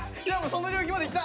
その状況までいった！